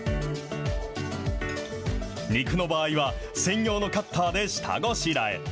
肉の場合は、専用のカッターで下ごしらえ。